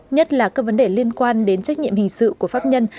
nhất là các vấn đề liên quan đến trách nhiệm hình sự của pháp nhân